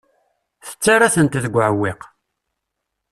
Tettarra-tent deg uɛewwiq.